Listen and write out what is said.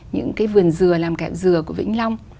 những cái vườn dừa làm kẹo dừa của vĩnh long